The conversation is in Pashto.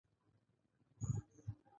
پکتيا ډیره صافه هوا لري